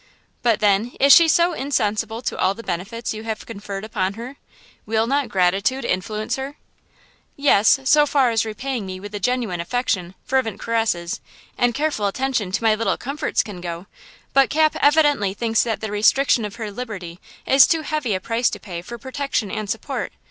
"But, then, is she so insensible to all the benefits you have conferred upon her? Will not gratitude influence her?" "Yes; so far as repaying me with a genuine affection, fervent caresses and careful attention to my little comforts can go; but Cap evidently thinks that the restriction of her liberty is too heavy a price to pay for protection and support.